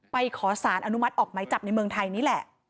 ขอสารอนุมัติออกไหมจับในเมืองไทยนี่แหละ